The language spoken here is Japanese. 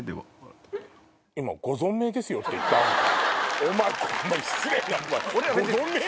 今ご存命ですよ！って言った⁉お前失礼な！